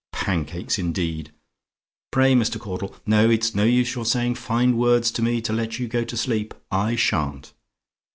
"Pancakes, indeed! Pray, Mr. Caudle, no, it's no use your saying fine words to me to let you go to sleep; I sha'n't!